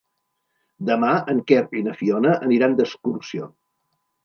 Demà en Quer i na Fiona aniran d'excursió.